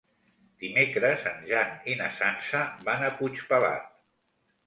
Dimecres en Jan i na Sança van a Puigpelat.